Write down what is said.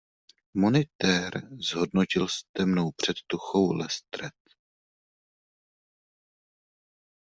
Monitér, zhodnotil s temnou předtuchou Lestred.